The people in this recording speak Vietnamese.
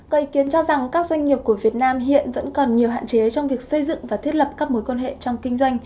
có ý kiến cho rằng các doanh nghiệp của việt nam hiện vẫn còn nhiều hạn chế trong việc xây dựng và thiết lập các mối quan hệ trong kinh doanh